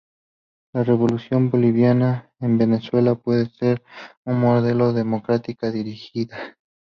La Revolución Bolivariana en Venezuela puede ser un modelo de democracia dirigida.